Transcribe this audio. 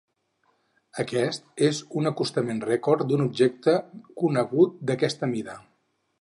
Aquest és un acostament rècord d'un objecte conegut d'aquesta mida.